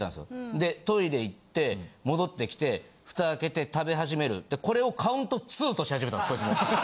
でトイレ行って戻ってきてフタ開けて食べ始めるこれをカウント２とし始めたんですこいつ。